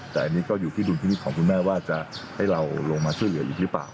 แต่อันนี้ก็อยู่ที่ดุลพินิษฐ์ของคุณแม่ว่าจะให้เราลงมาช่วยเหลืออีกหรือเปล่า